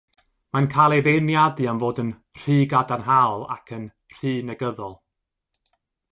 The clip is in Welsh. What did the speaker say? Mae'n cael ei feirniadu am fod yn "rhy gadarnhaol" ac yn "rhy negyddol".